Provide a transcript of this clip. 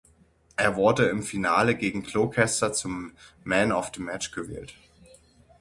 Er wurde im Finale gegen Gloucester zum Man of the Match gewählt.